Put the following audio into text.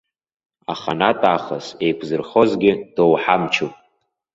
Аханатә аахыс еиқәзырхозгьы доуҳамчуп.